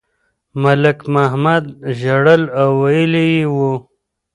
ملک محمد ژړل او ویلي یې وو.